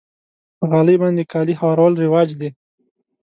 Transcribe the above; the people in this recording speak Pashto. په غالۍ باندې کالي هوارول رواج دی.